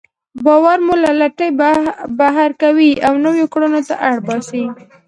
باور مو له لټۍ بهر کوي او نويو کړنو ته اړ باسي.